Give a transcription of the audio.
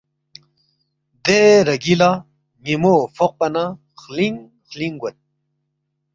دے رَگی لہ نِ٘یمو فوقپا نہ خِلِنگ خلِنگ گوید